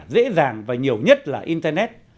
dễ dàng và nhiều nhất là internet